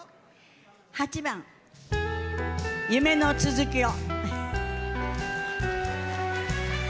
８番「夢のつづきを」。